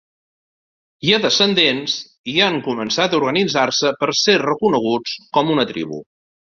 Hi ha descendents i han començat a organitzar-se per ser reconeguts com una tribu.